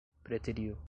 preteriu